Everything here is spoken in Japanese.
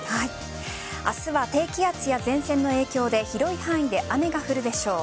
明日は低気圧や前線の影響で広い範囲で雨が降るでしょう。